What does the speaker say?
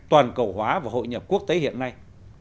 toàn cầu hóa và hội nhập quốc tế hiện nay